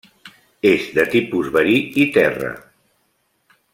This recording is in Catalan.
És de tipus verí i terra.